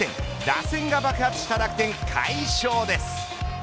打線が爆発した楽天、快勝です。